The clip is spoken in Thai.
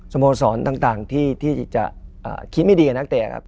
โมสรต่างที่จะคิดไม่ดีกับนักเตะครับ